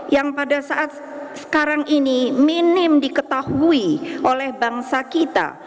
yang pada saat sekarang ini minim diketahui oleh bangsa kita